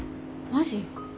マジ？